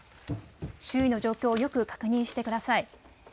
周囲の状況をよく確認してください。